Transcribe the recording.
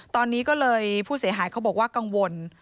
ตอนนี้ก็เลยผู้เสียหายเขาบอกว่ากังวล